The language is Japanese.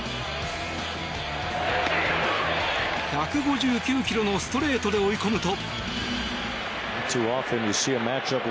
１５９キロのストレートで追い込むと。